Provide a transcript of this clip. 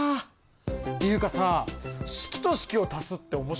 っていうかさ式と式を足すって面白くない？